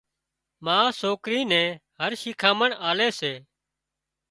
ما سوڪري نين هر شيکانمڻ آلي سي